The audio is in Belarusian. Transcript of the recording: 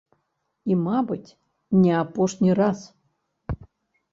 І мабыць, не апошні раз.